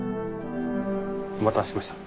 お待たせしました。